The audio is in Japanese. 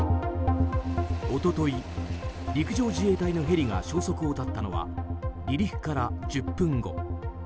一昨日、陸上自衛隊のヘリが消息を絶ったのは離陸から１０分後。